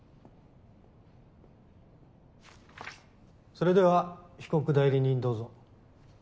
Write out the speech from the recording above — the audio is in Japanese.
それでは被告代理人どうぞ。